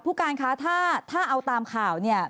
ผู้การคะถ้าเอาตามข่าวเนี่ย